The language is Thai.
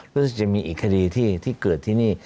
ก็จะมีอีกคดีที่เกิดที่นี่